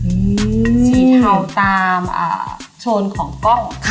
สีเทาตามโชนของกล้อง